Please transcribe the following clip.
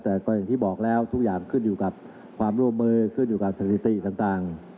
แต่ก็อย่างที่บอกแล้วทุกอย่างขึ้นอยู่กับความร่วมมือขึ้นอยู่กับสถิติต่าง